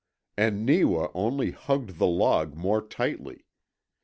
And Neewa only hugged the log more tightly.